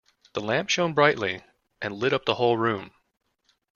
The lamp shone brightly and lit up the whole room.